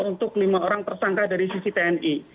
untuk lima orang tersangka dari sisi tni